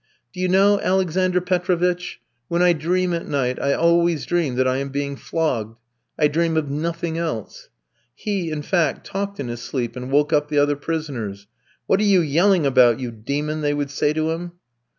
"Do you know, Alexander Petrovitch, when I dream at night, I always dream that I am being flogged. I dream of nothing else." He, in fact, talked in his sleep, and woke up the other prisoners. "What are you yelling about, you demon?" they would say to him.